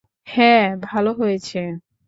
হ্যাঁ, ভালো হয়েছে।